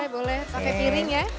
boleh pakai piring ya